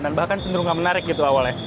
dan bahkan cenderung gak menarik gitu awalnya